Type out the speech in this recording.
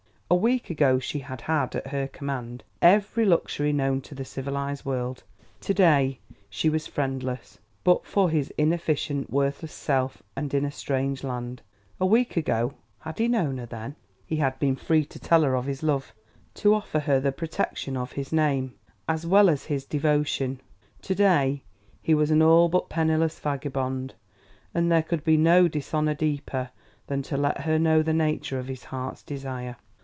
A week ago she had had at her command every luxury known to the civilized world; to day she was friendless, but for his inefficient, worthless self, and in a strange land. A week ago, had he known her then, he had been free to tell her of his love, to offer her the protection of his name as well as his devotion; to day he was an all but penniless vagabond, and there could be no dishonor deeper than to let her know the nature of his heart's desire.